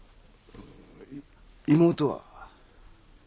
妹は？